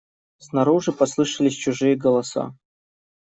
Снаружи послышались чужие голоса.